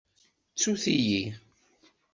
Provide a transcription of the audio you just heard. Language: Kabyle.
Ttut-iyi.